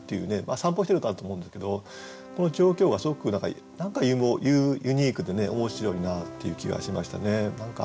散歩してるんだと思うんですけどこの状況がすごく何かユニークでね面白いなっていう気がしましたね。